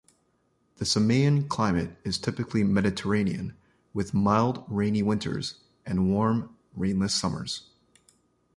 The Samian climate is typically Mediterranean, with mild rainy winters, and warm rainless summers.